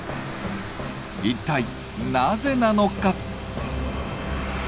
一体なぜなのか？